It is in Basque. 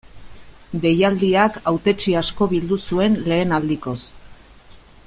Deialdiak hautetsi asko bildu zuen lehen aldikoz.